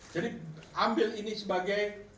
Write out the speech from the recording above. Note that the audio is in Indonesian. jadi ambil ini sebagai